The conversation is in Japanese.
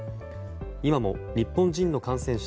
今も日本人の感染者